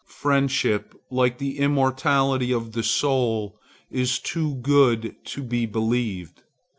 Friendship, like the immortality of the soul, is too good to be believed.